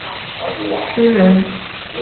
唐朝诗人。